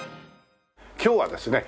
今日はですね